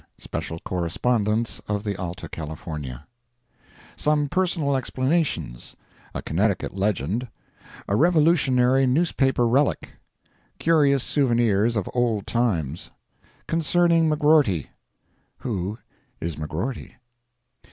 [SPECIAL CORRESPONDENCE OF THE ALTA CALIFORNIA] Some Personal Explanations—A Connecticut Legend—A Revolutionary Newspaper Relic—Curious Souvenirs of Old Times—Concerning McGrorty—Who is McGrorty?